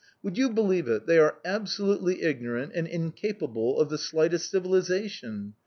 "Would you believe it, they are absolutely ignorant and incapable of the slightest civilisation!